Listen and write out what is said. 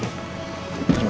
aku akan mencintai kamu